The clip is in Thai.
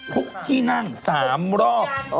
คุกที่นั่ง๓รอบ